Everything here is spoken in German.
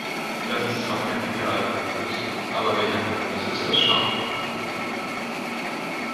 Das ist zwar kein idealer Kompromiss, aber welcher Kompromiss ist das schon?